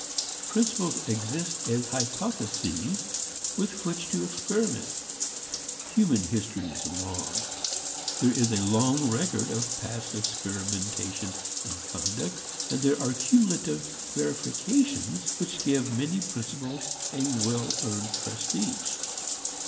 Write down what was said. Principles exist as hypotheses with which to experiment. Human history is long. There is a long record of past experimentation in conduct, and there are cumulative verifications which give many principles a well earned prestige.